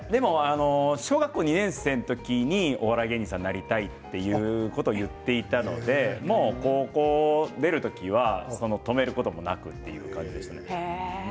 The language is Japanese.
小学校２年生の時にお笑い芸人になりたいと言っていたので高校出る時は止めることもなくという感じでした。